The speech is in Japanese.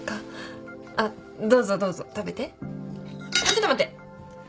ちょっと待って。